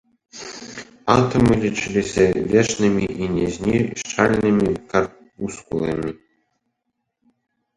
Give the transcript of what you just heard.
Атамы лічыліся вечнымі і незнішчальнымі карпускуламі.